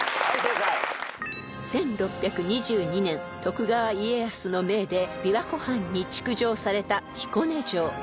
［１６２２年徳川家康の命で琵琶湖畔に築城された彦根城］